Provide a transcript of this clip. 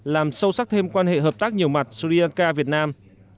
làm sâu sắc thêm quan hệ hợp tác nhiều mặt sri lanka việt nam